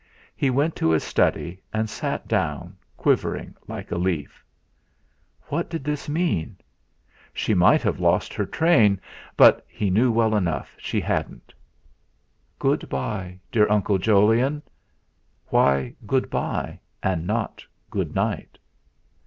He went to his study and sat down, quivering like a leaf. What did this mean? She might have lost her train, but he knew well enough she hadn't. 'Good bye, dear Uncle Jolyon.' Why 'Good bye' and not 'Good night'.